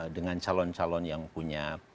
dengan calon calon yang punya